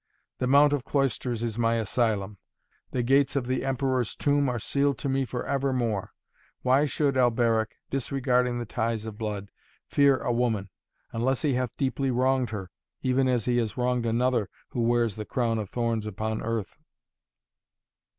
The Mount of Cloisters is my asylum. The gates of the Emperor's Tomb are sealed to me forever more. Why should Alberic, disregarding the ties of blood, fear a woman unless he hath deeply wronged her, even as he has wronged another who wears the crown of thorns upon earth?"